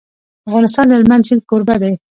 افغانستان د هلمند سیند کوربه دی.